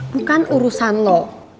bukan urusan lo